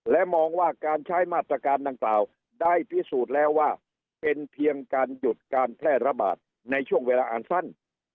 และมองว่าการใช้มาตรการดังกล่าวได้พิสูจน์แล้วว่าเป็นเพียงการหยุดการแพร่ระบาดในช่วงเวลาอันสั้น